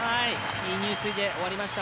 いい入水で終わりました。